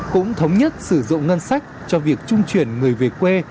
cũng thống nhất sử dụng ngân sách cho việc trung chuyển người về quê